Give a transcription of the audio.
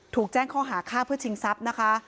ถูกแจ้งข้อหาฆ่าเพื่อชิงทรัพย์นะคะ